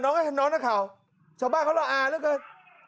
น้องให้ฉันนอนหน้าเข่าชาวบ้านเขาละอาเหลือเกิน